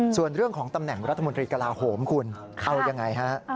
ส่วนเรื่องของตำแหน่งรัฐมนตรีกระลาโหมคุณเอายังไงฮะ